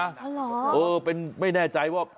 อ๋อเหรอเออเป็นไม่แน่ใจว่า